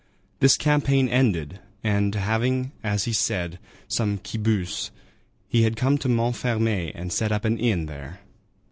This campaign ended, and having, as he said, "some quibus," he had come to Montfermeil and set up an inn there.